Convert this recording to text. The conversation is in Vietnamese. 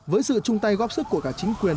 với sự chung tay góp sức của cả chính quyền